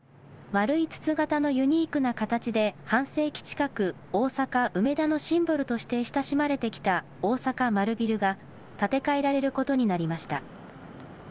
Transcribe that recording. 丸い筒形のユニークな形で、半世紀近く大阪・梅田のシンボルとして親しまれてきた大阪マルビルが、建て替えられることになりました。